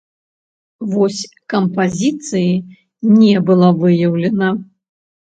Вось кампазіцыі не была выяўлена.